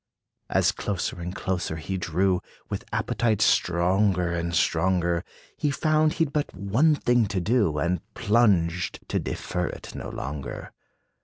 As closer and closer he drew, With appetite stronger and stronger, He found he 'd but one thing to do, And plunged, to defer it no longer.